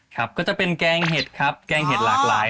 ครับก็จะเป็นแกงเห็ดครับแกงเห็ดหลากหลาย